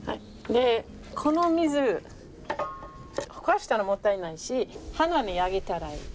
でこの水ほかしたらもったいないし花にあげたらいい。